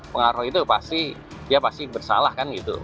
pengaruh itu pasti dia pasti bersalah kan gitu